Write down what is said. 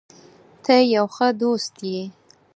ته یو ښه دوست یې.